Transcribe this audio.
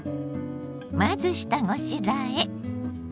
まず下ごしらえ。